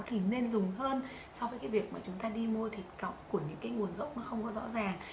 thì nên dùng hơn so với cái việc mà chúng ta đi mua thịt cọc của những cái nguồn gốc nó không có rõ ràng